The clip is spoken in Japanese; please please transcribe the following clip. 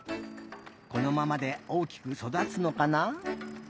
このままで大きくそだつのかな？